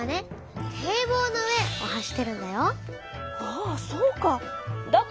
あぁそうか！